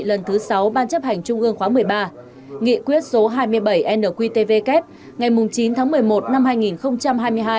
lần thứ sáu ban chấp hành trung ương khóa một mươi ba nghị quyết số hai mươi bảy nqtvk ngày chín tháng một mươi một năm hai nghìn hai mươi hai